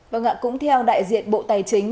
và ngạc cũng theo đại diện bộ tài chính